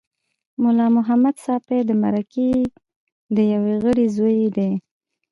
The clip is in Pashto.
ملا محمد ساپي د مرکې د یوه غړي زوی دی.